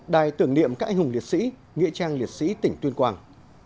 đài tưởng niệm cãi hùng liệt sĩ nghị trang liệt sĩ tp tuyên quang